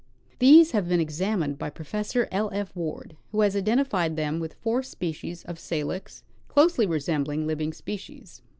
These have been examined by Pro fessor L. F. Ward, who has identified them with four species of Salix, closely resembling living species.